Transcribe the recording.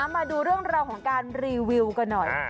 มาดูเรื่องราวของการรีวิวกันหน่อย